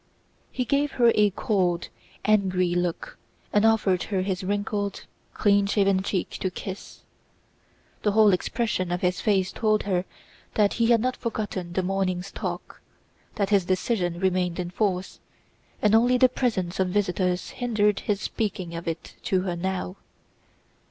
He gave her a cold, angry look and offered her his wrinkled, clean shaven cheek to kiss. The whole expression of his face told her that he had not forgotten the morning's talk, that his decision remained in force, and only the presence of visitors hindered his speaking of it to her now.